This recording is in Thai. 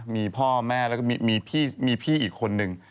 มีพ่อแม่แล้วก็มีพี่อีกคนนึง